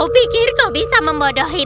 kau pikir kau bisa membodoh itu